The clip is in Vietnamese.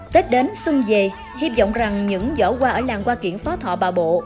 tết đến xuân về hi vọng rằng những giỏ hoa ở làng hoa kiển phó thọ bà bộ